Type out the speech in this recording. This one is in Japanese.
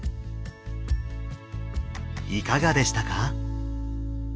いかがでしたか？